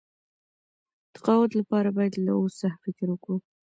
تقاعد لپاره باید له اوس څخه فکر وکړو.